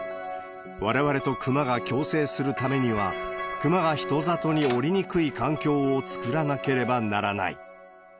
われわれとクマが共生するためには、クマが人里に下りにくい環境を作らなければならない。